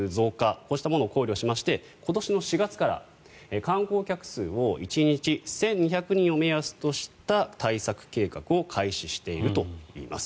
こうしたものを考慮しまして今年４月から、観光客数を１日１２００人を目安とした対策計画を開始しているといいます。